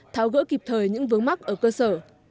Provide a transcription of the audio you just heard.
tháo gỡ kịp thời những vướng mắt ở cơ sở